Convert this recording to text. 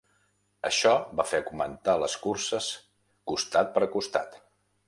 Això va fer augmentar les curses costat per costat.